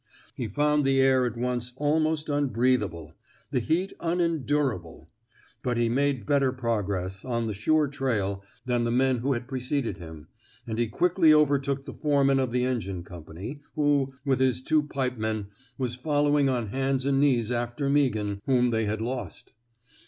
He found the air at once almost unbreath able, the heat unendurable; but he made better progress, on the sure trail, than the men who had preceded him, and he quickly overtook the foreman of the engine company, who, with his two pipemen, was following on hands and knees after Meaghan, whom they had lost.